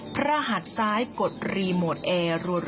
พระหัดซ้ายกดรีโมทแอร์รัว